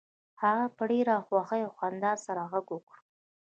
هغه په ډیره خوښۍ او خندا سره غږ وکړ